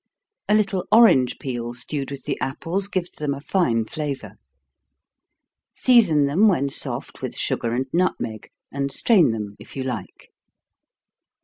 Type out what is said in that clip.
A little orange peel stewed with the apples, gives them a fine flavor. Season them, when soft, with sugar and nutmeg, and strain them if you like.